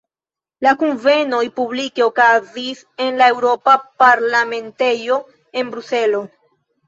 La kunvenoj publike okazis en la Eŭropa Parlamentejo en Bruselo.